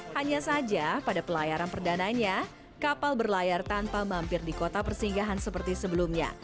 hanya saja pada pelayaran perdananya kapal berlayar tanpa mampir di kota persinggahan seperti sebelumnya